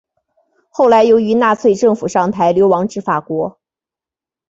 后来由于纳粹政府上台流亡至法国。